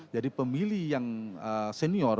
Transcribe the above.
jadi pemilih yang senior